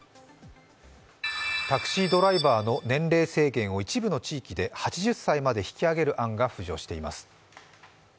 タクシードライバーの年齢制限を一部の地域で８０歳まで引き上げる案が浮上しています。